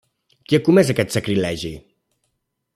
Qui ha comès aquest sacrilegi?